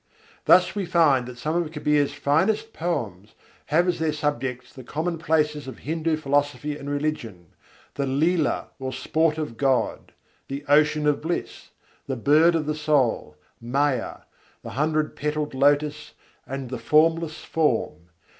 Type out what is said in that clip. Thus we find that some of Kabîr's finest poems have as their subjects the commonplaces of Hindu philosophy and religion: the Lîlâ or Sport of God, the Ocean of Bliss, the Bird of the Soul, Mâyâ, the Hundred petalled Lotus, and the "Formless Form."